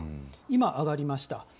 今、上がりました。